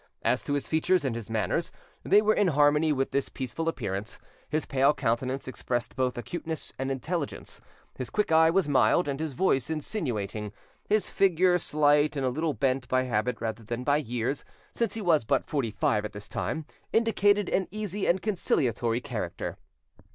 As to his features and his manners, they were in harmony with this peaceful appearance: his pale countenance expressed both acuteness and intelligence; his quick eye was mild, and his voice insinuating; his figure slight and a little bent by habit rather than by years, since he was but forty five at this time, indicated an easy and conciliatory character.